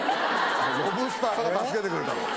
ロブスターが助けてくれたの？